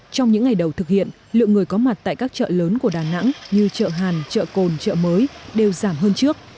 trong những ngày đầu thực hiện lượng người có mặt tại các chợ lớn của đà nẵng như chợ hàn chợ cồn chợ mới đều giảm hơn trước